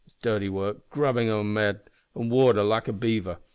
It's dirty work, grubbin' among mud and water like a beaver.